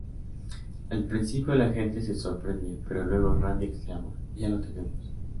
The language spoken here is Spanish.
Al principio la gente se sorprende, pero luego Randy exclama "¡Ya lo tenemos!